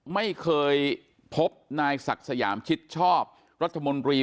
ไม่เคยพบนายศักดิ์สยามชิดชอบรัฐมนตรี